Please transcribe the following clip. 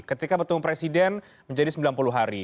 ketika bertemu presiden menjadi sembilan puluh hari